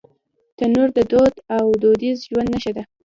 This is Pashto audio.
تنور د دود او دودیز ژوند نښه ده